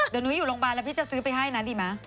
เดี๋ยวนุ้ยอยู่โรงพยาบาลแล้วพี่จะซื้อไปให้นะดีไหม